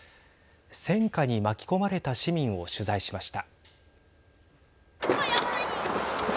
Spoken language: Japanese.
戦禍に巻き込まれた市民を取材しました。